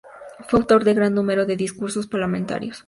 Fue autor de gran número de discursos parlamentarios.